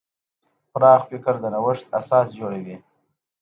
پراخ فکر د نوښت اساس جوړوي.